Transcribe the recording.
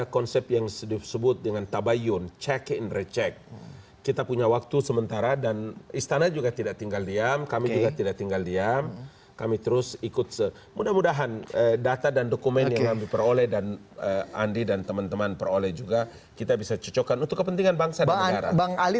kita akan jawabnya usaha jalan berikut ini